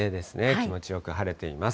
気持ちよく晴れています。